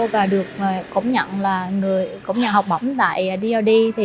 và được cổng nhận là người cổng nhận học bổng tại drd